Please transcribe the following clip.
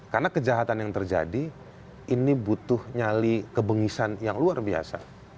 karena kejahatan yang terjadi ini butuh nyali kebengisan yang luar biasa